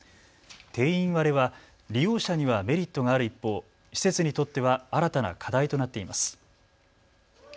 定員割れは利用者にはメリットがある一方、施設にとっては新たな課題となっています。